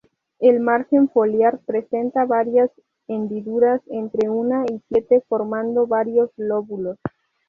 El margen foliar presenta varias hendiduras, entre una y siete formando varios lóbulos.